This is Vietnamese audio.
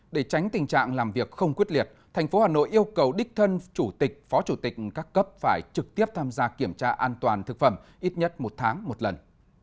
để tránh tình trạng làm việc không quyết liệt thành phố hà nội yêu cầu đích thân chủ tịch phó chủ tịch các cấp phải trực tiếp tham gia kiểm tra an toàn thực phẩm ít nhất một tháng một lần